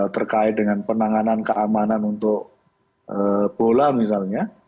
terkait dengan penanganan keamanan untuk bola misalnya